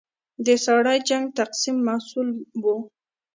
د ساړه جنګ مستقیم محصول وو.